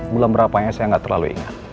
bulan berapanya saya nggak terlalu ingat